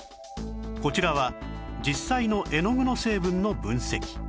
こちらは実際の絵の具の成分の分析